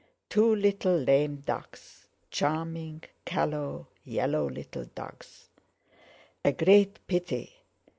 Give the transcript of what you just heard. Two little lame ducks—charming callow yellow little ducks! A great pity!